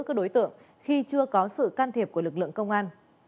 các đối tượng khi chưa có sự can thiệp của lực lượng công an